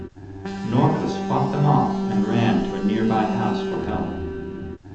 Norkus fought them off and ran to a nearby house for help.